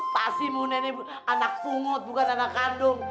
pasti muna ini anak pungut bukan anak kandung